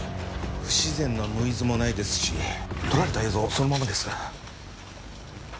不自然なノイズもないですし撮られた映像そのままです。